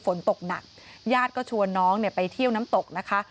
ฝนตกหนักญาติก็ชวนน้องไปเที่ยวน้ำตกนะคะ